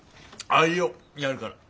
あいいよやるから。